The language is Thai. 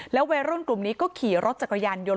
วัยรุ่นกลุ่มนี้ก็ขี่รถจักรยานยนต์